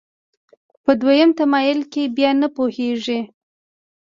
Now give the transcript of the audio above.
په دویم تمایل کې بیا نه پوهېږي.